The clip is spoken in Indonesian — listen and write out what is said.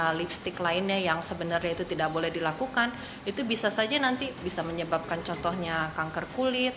karena lipstick lainnya yang sebenarnya itu tidak boleh dilakukan itu bisa saja nanti bisa menyebabkan contohnya kanker kulit